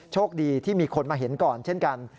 โชคดีที่มีคนมาเห็นก่อนเช่นกัน